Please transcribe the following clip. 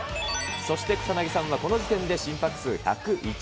そして草薙さんはこの時点で心拍数１０１。